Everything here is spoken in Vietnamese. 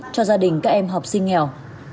cho gia đình các em học sinh nghèo